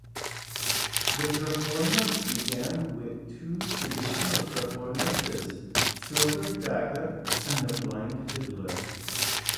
The performance began with two traditional performances, "Silver Dagger" and "The Blind Fiddler".